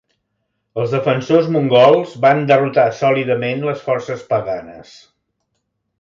Els defensors mongols van derrotar sòlidament les forces paganes.